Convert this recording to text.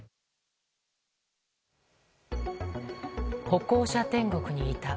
歩行者天国にいた。